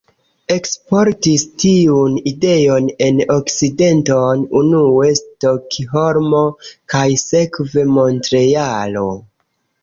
Eksportis tiun ideon en Okcidenton, unue Stokholmo, kaj sekve Montrealo.